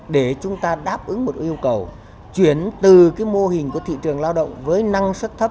để chúng ta đáp ứng một yêu cầu chuyển từ mô hình của thị trường lao động với năng suất thấp